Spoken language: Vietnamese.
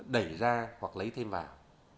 để ra hoặc lấy thêm vào